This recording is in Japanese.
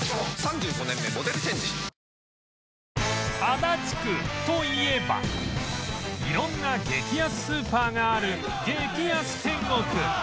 足立区といえば色んな激安スーパーがある激安天国！